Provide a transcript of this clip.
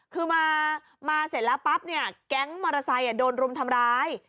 คือมาเสร็จแล้วปั๊บเนี่ยแก๊งมอเตอร์ไซค์โดนรุมทำร้าย